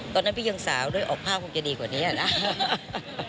ตอนนั้นพี่ยังสาวด้วยออกภาพคงจะดีกว่านี้นะ